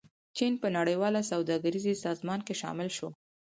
چین په نړیواله سوداګریزې سازمان کې شامل شو.